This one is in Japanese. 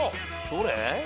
どれ？